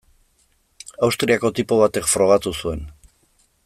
Austriako tipo batek frogatu zuen.